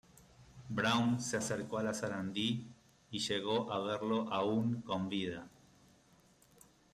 Brown se acercó a la Sarandí y llegó a verlo aún con vida.